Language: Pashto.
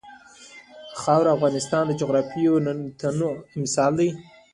خاوره د افغانستان د جغرافیوي تنوع مثال دی.